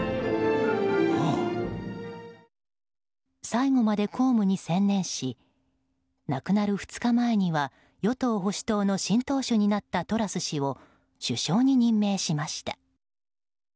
最後まで公務に専念し亡くなる２日前には与党・保守党の新党首になったトラス氏を首相に任命しました。